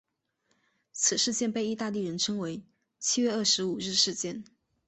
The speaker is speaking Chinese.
此事件被意大利人称为七月二十五日事件。